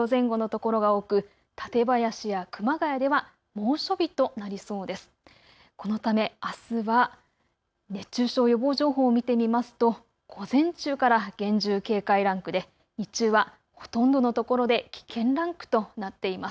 このため、あすは熱中症予防情報を見てみますと午前中から厳重警戒ランクで日中はほとんどのところで危険ランクとなっています。